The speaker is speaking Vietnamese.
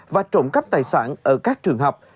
và trộm cắp tài sản ở các trường học